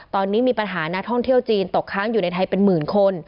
ตอนนี้มีปัญหานักท่องเที่ยวจีนตกค้างอยู่ในไทยเป็นหมื่นคน